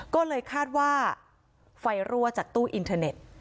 ก็เลยคาดว่าไฟรั่วจากตู้อินเทอร์เน็ต